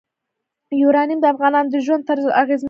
یورانیم د افغانانو د ژوند طرز اغېزمنوي.